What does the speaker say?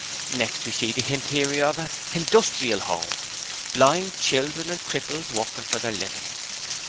Next we see the hinterior of a Hindustrial 'Ome Blind children and cripples working for their living.